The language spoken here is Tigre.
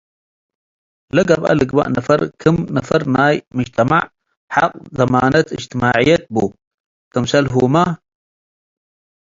ለገብአ ልግበእ ነፈር ክም ነፈር ናይ ሙጅተመዕ ሐቅ ደማነት እጅትማዕየት ቡ፡ ክምሰልሁመ